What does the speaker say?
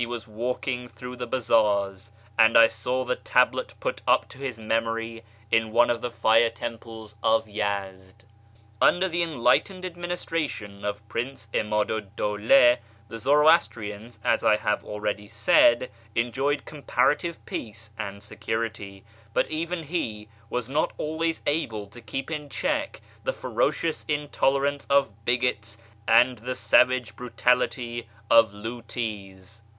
vas walking through the bazaars, and I saw the tablet put up 0 his memory in one of the fire temples of Yezd. Under the enlightened administration of Prince 'Imddu 'd )awla, the Zoroastrians, as I have already said, enjoyed com larative peace and security, but even he was not always able 0 keep in check the ferocious intolerance of bigots and the avage brutality of IMis.